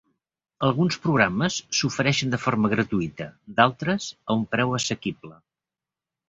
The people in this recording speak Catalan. Alguns programes s'ofereixen de forma gratuïta, d'altres, a un preu assequible.